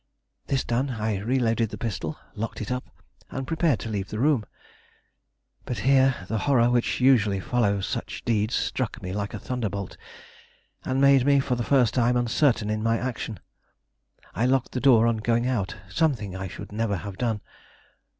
This done, I reloaded the pistol, locked it up, and prepared to leave the room. But here the horror which usually follows such deeds struck me like a thunderbolt and made me for the first time uncertain in my action. I locked the door on going out, something I should never have done.